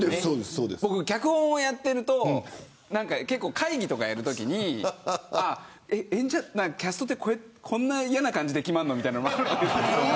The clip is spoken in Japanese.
僕、脚本をやっていると会議とかやるときにキャストってこんな嫌な感じで決まるのって。